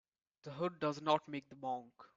The hood does not make the monk.